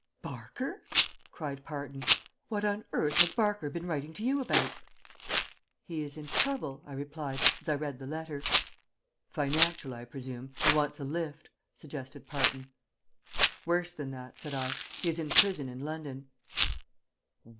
"Barker!" cried Parton. "What on earth has Barker been writing to you about?" "He is in trouble," I replied, as I read the letter. "Financial, I presume, and wants a lift?" suggested Parton. "Worse than that," said I, "he is in prison in London."